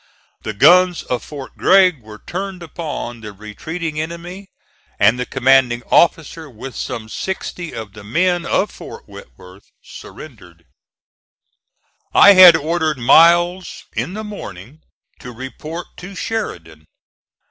The guns of Fort Gregg were turned upon the retreating enemy, and the commanding officer with some sixty of the men of Fort Whitworth surrendered. I had ordered Miles in the morning to report to Sheridan.